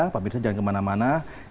pemirsa jangan kemana mana